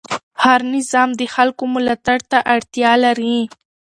هر نظام د خلکو ملاتړ ته اړتیا لري